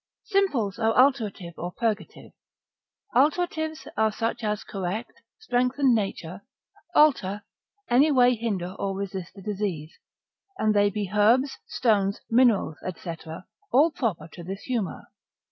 Simples are alterative or purgative. Alteratives are such as correct, strengthen nature, alter, any way hinder or resist the disease; and they be herbs, stones, minerals, &c. all proper to this humour.